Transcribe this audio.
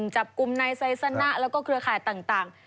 จับกลุ่มนายไซสนะแล้วก็เครือข่ายต่าง